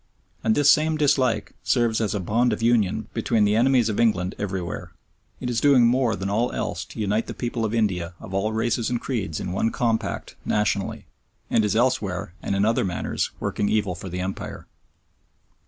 And this same dislike serves as a bond of union between the enemies of England everywhere. It is doing more than all else to unite the people of India of all races and creeds in one compact nationality, and is elsewhere, and in other manners, working evil for the Empire.